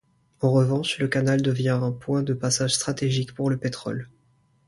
En revanche, le canal devient un point de passage stratégique pour le pétrole.